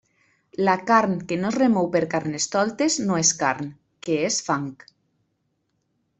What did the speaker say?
La carn que no es remou per Carnestoltes no és carn, que és fang.